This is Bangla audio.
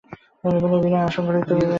এই বলিয়া বিনয় আসন হইতে উঠিয়া পড়িল।